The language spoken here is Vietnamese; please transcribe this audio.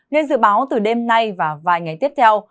nên dự báo từ đêm nay và vài ngày tiếp theo